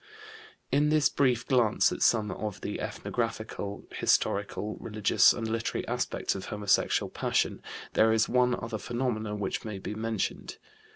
In this brief glance at some of the ethnographical, historical, religious, and literary aspects of homosexual passion there is one other phenomenon which may be mentioned.